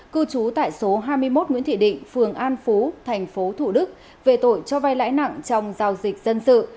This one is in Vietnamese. cư trú tại số hai mươi một nguyễn thị định phường an phú tp thủ đức về tội cho vai lãi nặng trong giao dịch dân sự